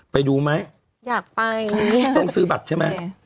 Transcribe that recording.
ไปดูไหมอยากไปต้องซื้อบัตรใช่ไหม